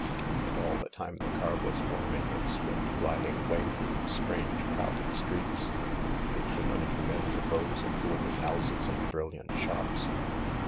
And all the time the car was worming its swift, gliding way through strange crowded streets, between unfamiliar rows of gloomy houses and brilliant shops.